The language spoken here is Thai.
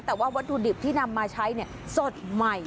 แต่ว่าวัตถุดิบที่นำมาใช้สดใหม่